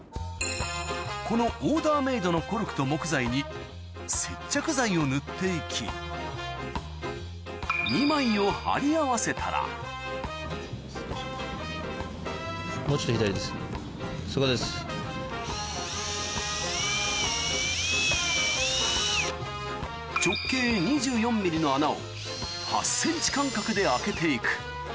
このオーダーメイドのコルクと木材に接着剤を塗って行き２枚を貼り合わせたら直径２４ｍｍの穴を８ｃｍ間隔で開けて行く